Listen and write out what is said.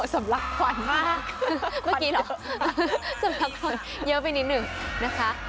สำลักภัณฑ์มากเมื่อกี้เหรอสำลักภัณฑ์เยอะไปนิดหนึ่งนะคะ